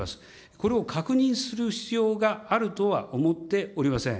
これを確認する必要があるとは思っておりません。